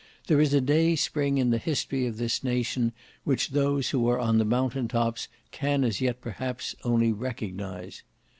There is a dayspring in the history of this nation which those who are on the mountain tops can as yet perhaps only recognize.